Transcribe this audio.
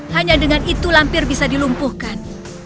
hanya dengan itu lampir bisa dilumpuhkan